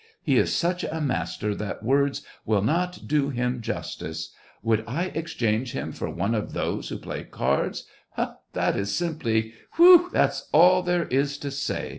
He is such a master that words will not do him justice ! Would I ex change him for one of those who play cards } That is simply — whew ! that's all there is to say